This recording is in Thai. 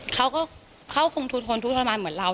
เขาก็คงทูลทนทุนทรมานเหมือนเรา